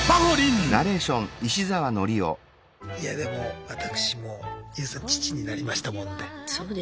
いやでも私もＹＯＵさん父になりましたもんで。